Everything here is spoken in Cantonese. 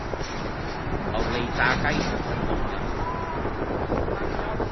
牛脷炸雞真講究